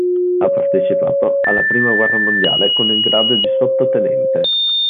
Ha partecipato alla prima guerra mondiale con il grado di sottotenente.